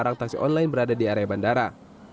barang taksi online berada di area bandara